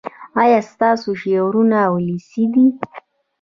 ایا ستاسو شعرونه ولسي دي؟